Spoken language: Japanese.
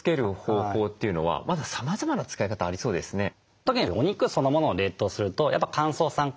特にお肉そのものを冷凍するとやっぱ乾燥酸化